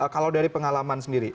kalau dari pengalaman sendiri